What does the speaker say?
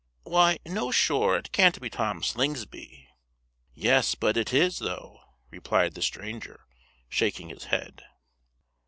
"Why, no sure! it can't be Tom Slingsby?" "Yes, but it is, though!" replied the stranger, shaking his head.